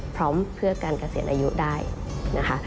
พร้อมเพื่อการเกษียณอายุได้นะคะ